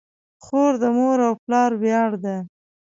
خور د مور او پلار ویاړ ده.